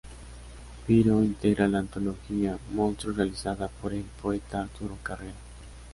Piro integra la antología Monstruos realizada por el poeta Arturo Carrera.